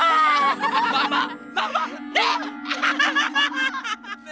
kehidupan bermain luar biasa